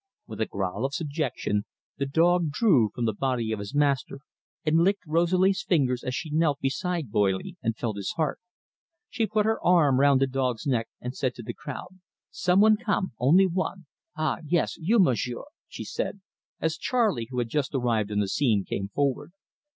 With a growl of subjection, the dog drew from the body of his master, and licked Rosalie's fingers as she knelt beside Boily and felt his heart. She put her arm round the dog's neck, and said to the crowd, "Some one come only one ah, yes, you, Monsieur!" she added, as Charley, who had just arrived on the scene, came forward.